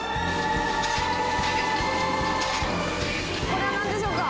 これはなんでしょうか。